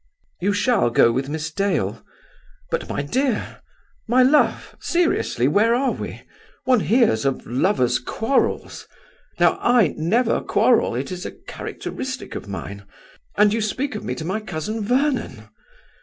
You shall go with Miss Dale. But, my dear! my love! Seriously, where are we? One hears of lover's quarrels. Now I never quarrel. It is a characteristic of mine. And you speak of me to my cousin Vernon!